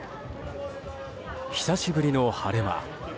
久しぶりの晴れ間。